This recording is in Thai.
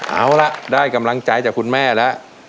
เอาล่ะได้กำลังใจจากคุณแม่แล้ว